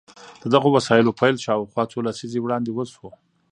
د دغو وسيلو پيل شاوخوا څو لسيزې وړاندې وشو.